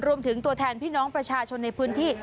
รวมถึงตัวแทนพี่น้องประชาชนในพื้นที่